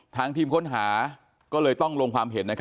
ทีมค้นหาก็เลยต้องลงความเห็น